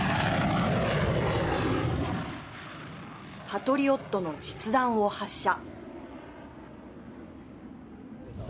パトリオットの実弾を発射。